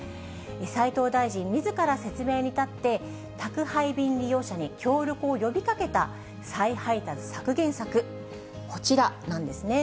斉藤大臣みずから説明に立って、宅配便利用者に協力を呼びかけた再配達削減策、こちらなんですね。